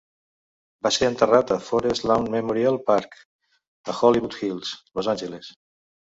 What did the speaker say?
Va ser enterrat a Forest Lawn Memorial Park, a Hollywood Hills, Los Angeles.